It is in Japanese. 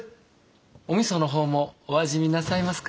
お味噌の方もお味見なさいますか？